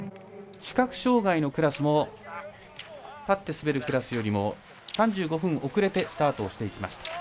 視覚障がいのクラスは立って滑るクラスよりも３５分遅れてスタートしていきます。